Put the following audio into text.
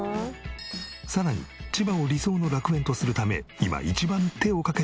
さらに千葉を理想の楽園とするため今一番手を掛けているのがこちら。